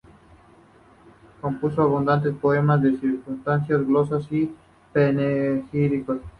Compuso abundantes poemas de circunstancias, glosas y panegíricos.